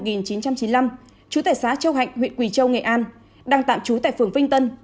trú tại xã châu hạnh huyện quỳ châu nghệ an đang tạm trú tại phường vinh tân